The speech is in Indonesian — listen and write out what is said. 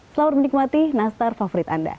selamat menikmati nastar favorit anda